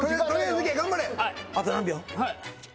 あと何秒？